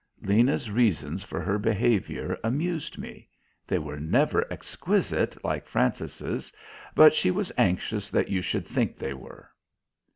Lena's reasons for her behaviour amused me; they were never exquisite, like Frances's, but she was anxious that you should think they were.